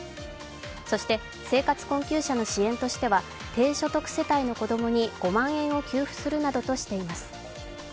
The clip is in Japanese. そして、生活困窮者の支援としては低所得世帯の子供に５万円を支給するとしています。